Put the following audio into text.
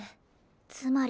つまり。